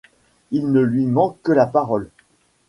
Il ne lui manque que la parole !